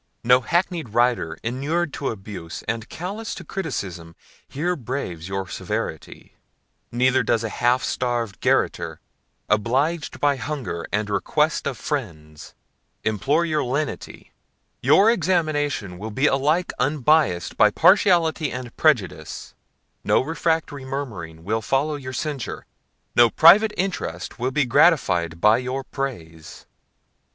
No hackneyed writer, inured to abuse, and callous to criticism, here braves your severity; neither does a half starved garretteer, Oblig'd by hunger and request of friends, implore your lenity: your examination will be alike unbiassed by partiality and prejudice; no refractory murmuring will follow your censure, no private interest will be gratified by your praise.